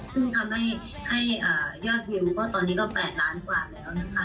ซึ่งทำให้ยอดวิวก็ตอนนี้ก็๘ล้านกว่าแล้วนะคะ